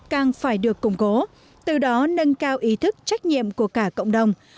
càng phải được củng cố từ đó nâng cao ý thức trách nhiệm của cả cộng đồng